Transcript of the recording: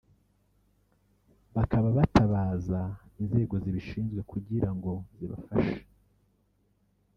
bakaba batabaza inzego zibishinzwe kugira ngo zibafashe